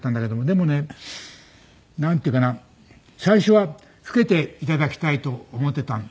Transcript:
でもねなんていうかな最初は老けていただきたいと思ってた。